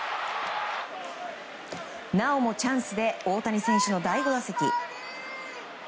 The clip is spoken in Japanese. なおもチャンスで大谷選手の第５打席。